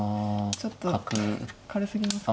ちょっと軽すぎますか。